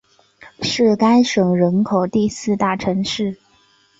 是该省人口第四大城市。